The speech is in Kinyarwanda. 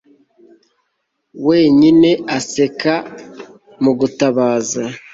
Wenyine aseka mu gutabaza